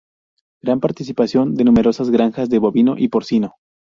Gran participación de numerosas granjas de bovino y porcino.